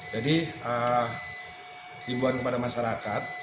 jadi imbuan kepada masyarakat